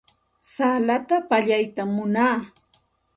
Salata pallaytam munaa.